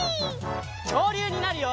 きょうりゅうになるよ！